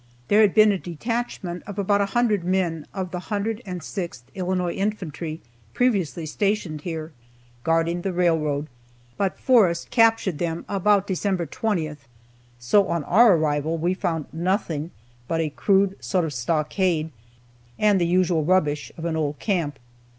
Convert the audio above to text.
There had been a detachment of about a hundred men of the 106th Illinois Infantry previously stationed here, guarding the railroad, but Forrest captured them about December 20th, so on our arrival we found nothing but a crude sort of stockade, and the usual rubbish of an old camp.